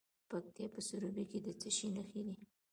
د پکتیکا په سروبي کې د څه شي نښې دي؟